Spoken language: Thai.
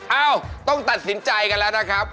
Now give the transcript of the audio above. เอ้าต้องตัดสินใจกันแล้วนะครับ